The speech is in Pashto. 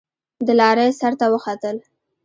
د لارۍ سر ته وختل.